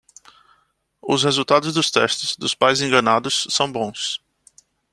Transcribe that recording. Os resultados dos testes dos pais enganados são bons